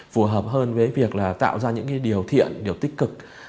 phù hợp hơn với việc là tạo ra những điều thiện điều tích cực